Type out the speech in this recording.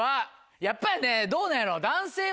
やっぱりねどうなんやろう。